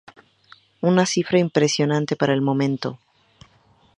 Una cifra impresionante para el momento.